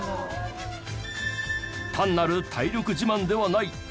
単なる体力自慢ではない。